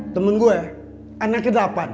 temen gue anak ke delapan